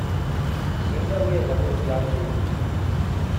行政院的目標之一